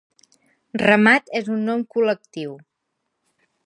Ramat és un nom col·lectiu.